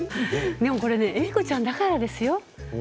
でも、これはね栄子ちゃんだからですよ。